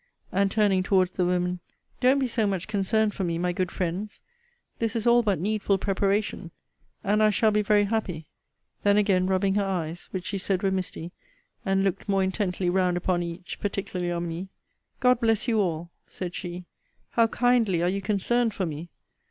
And turning towards the women, don't be so much concerned for me, my good friends. This is all but needful preparation; and I shall be very happy. Then again rubbing her eyes, which she said were misty, and looked more intently round upon each, particularly on me God bless you all! said she; how kindly are you concerned for me!